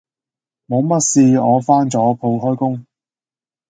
冇乜事我返咗鋪開工